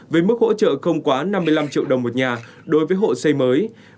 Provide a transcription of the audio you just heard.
với mức hỗ trợ không quá năm mươi năm triệu đồng một nhà đối với hộ xây mới